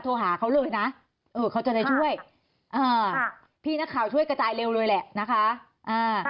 โทรหาเขาเลยนะเออเขาจะได้ช่วยอ่าค่ะพี่นักข่าวช่วยกระจายเร็วเลยแหละนะคะอ่า